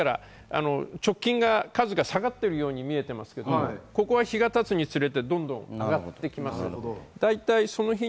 ですから直近が下がっているように見えてますが日が経つにつれて、どんどん上がってきます。